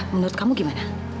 menurut kamu gimana